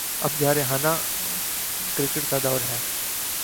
اب جارحانہ کرکٹ کا دور ہے۔